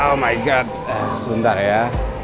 oh my card sebentar ya